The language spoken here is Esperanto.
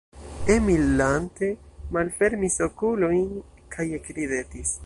Emil lante malfermis okulojn kaj ekridetis.